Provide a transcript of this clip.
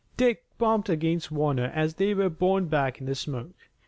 Dick bumped against Warner as they were borne back in the smoke.